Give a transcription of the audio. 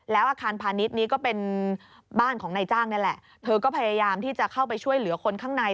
แล้วอาคารพาณิชย์นี้ก็เป็นบ้านของนายจ้างนี่แหละเธอก็พยายามที่จะเข้าไปช่วยเหลือคนข้างใน